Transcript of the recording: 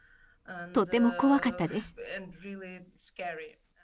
とても怖かったです。